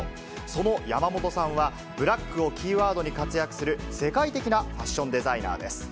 その山本さんは、ブラックをキーワードに活躍する世界的なファッションデザイナーです。